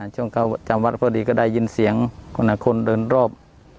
ช่วงเขาจำวัดพอดีก็ได้ยินเสียงคนละคนเดินรอบ